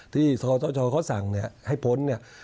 ที่สทชเขาสั่งเนี่ยให้พ้นเนี่ย